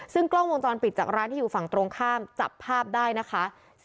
ซึ่งกล้องวงจรปิดจากร้านที่อยู่ฝั่งตรงข้ามจับภาพได้นะคะ